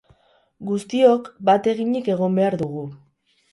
Guztiok bat eginik egon behar dugu.